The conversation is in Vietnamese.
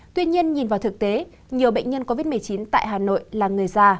tuy nhiên nhìn vào thực tế nhiều bệnh nhân covid một mươi chín tại hà nội là người già